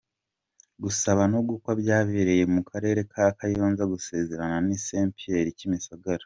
Gusaba no gukwa byabereye mu karere ka Kayonza gusezerana ni St Pierre Kimisagara.